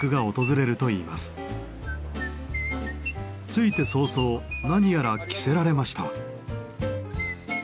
着いて早々何やら着せられました。